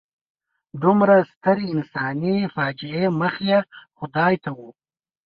دومره سترې انساني فاجعې مخ یې خدای ته و.